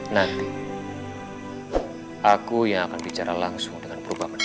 nanti aku yang akan bicara langsung dengan perubahan